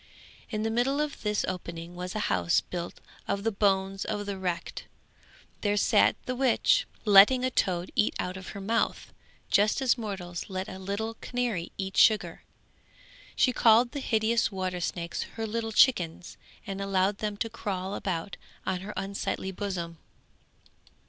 In the middle of this opening was a house built of the bones of the wrecked; there sat the witch, letting a toad eat out of her mouth, just as mortals let a little canary eat sugar. She called the hideous water snakes her little chickens, and allowed them to crawl about on her unsightly bosom.